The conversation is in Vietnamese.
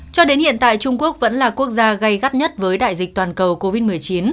cho đến hiện tại trung quốc vẫn là quốc gia gây gắt nhất với đại dịch toàn cầu covid một mươi chín